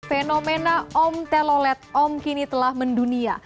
fenomena om telolet om kini telah mendunia